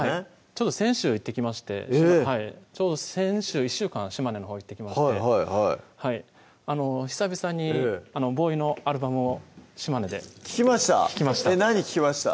ちょうど先週行ってきましてえぇっちょうど先週１週間島根のほう行ってきまして久々にＢＯＷＹのアルバムを島根で聴きました？